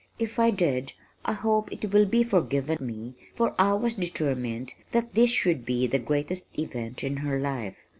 If I did I hope it will be forgiven me for I was determined that this should be the greatest event in her life.